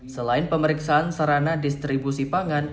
selain pemeriksaan sarana distribusi pangan